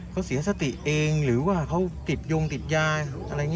ติดยงหรือตายตัวเอง